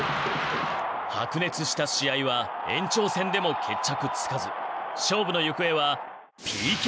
白熱した試合は延長戦でも決着つかず勝負の行方はＰＫ戦へ。